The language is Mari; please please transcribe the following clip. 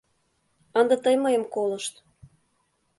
— Ынде тый мыйым колышт.